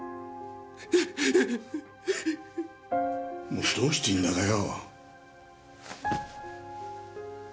もうどうしていいんだかよ。